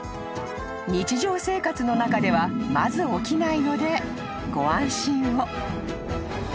［日常生活の中ではまず起きないのでご安心を］